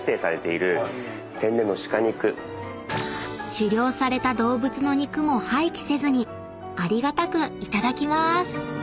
［狩猟された動物の肉も廃棄せずにありがたくいただきまーす！］